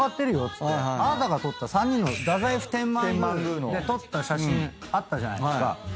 っつってあなたが撮った３人の太宰府天満宮で撮った写真あったじゃないですか。